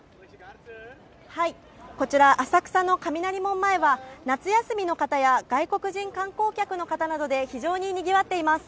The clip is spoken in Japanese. こちら、浅草の雷門前は夏休みの方や外国人観光客の方などで非常ににぎわっています。